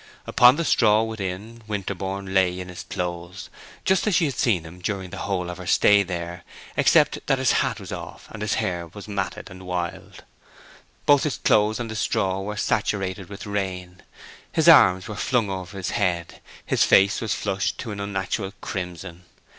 Upon the straw within, Winterborne lay in his clothes, just as she had seen him during the whole of her stay here, except that his hat was off, and his hair matted and wild. Both his clothes and the straw were saturated with rain. His arms were flung over his head; his face was flushed to an unnatural crimson.